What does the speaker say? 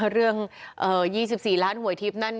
เรื่อง๒๔ล้านหวยทิพย์นั้น